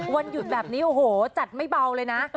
วันหยุดแบบนี้โอ้โหจัดไม่เบาเลยนะ